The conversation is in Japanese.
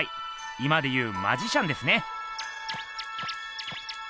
今で言うマジシャンですね。